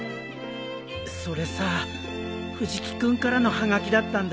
それさ藤木君からのはがきだったんだ。